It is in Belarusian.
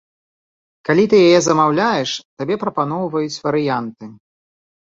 Калі ты яе замаўляеш, табе прапаноўваюць варыянты.